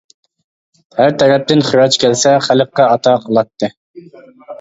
ھەر تەرەپتىن خىراج كەلسە، خەلققە ئاتا قىلاتتى.